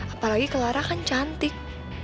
apalagi clara kan cantik